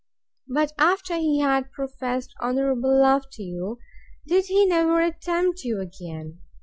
But, after he had professed honourable love to you, did he never attempt you again?